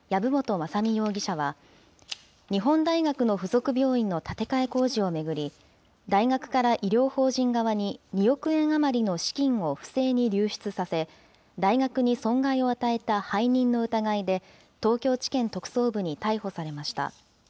雅巳容疑者は、日本大学の付属病院の建て替え工事を巡り、大学から医療法人側に２億円余りの資金を不正に流出させ、大学に損害を与えた背任の疑いで、東京地検特捜部に逮捕されました。